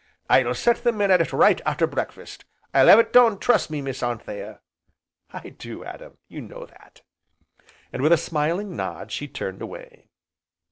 "I'll set the men at it right arter breakfast, I'll 'ave it done, trust me, Miss Anthea." "I do, Adam, you know that!" And with a smiling nod she turned away.